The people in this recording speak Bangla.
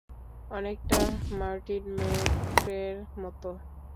অনেকটা মার্টিন মেক্রের মতো।